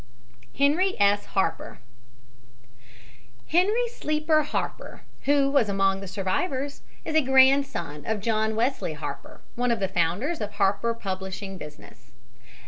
HENRY S. HARPER Henry Sleeper Harper, who was among the survivors, is a grandson of John Wesley Harper, one of the founders of the Harper publishing business.